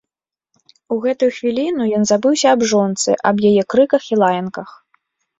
У гэтую хвіліну ён забыўся аб жонцы, аб яе крыках і лаянках.